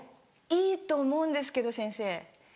いいと思うんですけど先生